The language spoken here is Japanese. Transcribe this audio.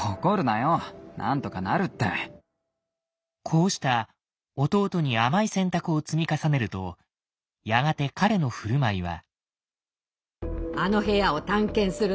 こうした弟に甘い選択を積み重ねるとやがて彼の振る舞いは。